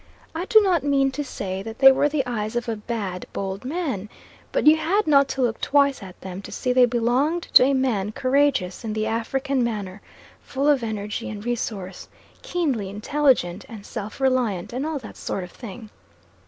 I do not mean to say that they were the eyes of a bad bold man, but you had not to look twice at them to see they belonged to a man courageous in the African manner, full of energy and resource, keenly intelligent and self reliant, and all that sort of thing.